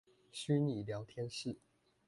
虛擬聊天室